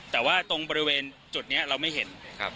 แต่ว่าตรงบริเวณจุดนี้เราไม่เห็นครับ